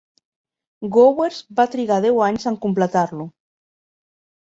Gowers va trigar deu anys en completar-lo.